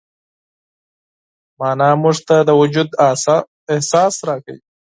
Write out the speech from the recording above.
معنی موږ ته د وجود احساس راکوي.